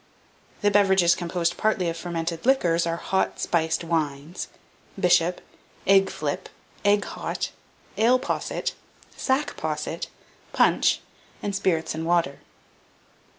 1791. The beverages composed partly of fermented liquors, are hot spiced wines, bishop, egg flip, egg hot, ale posset, sack posset, punch, and spirits and water.